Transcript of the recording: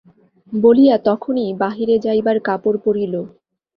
বলিয়া তখনই বাহিরে যাইবার কাপড় পরিল।